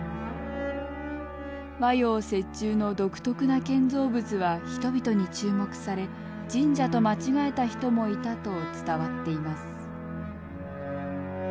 和洋折衷の独特な建造物は人々に注目され神社と間違えた人もいたと伝わっています。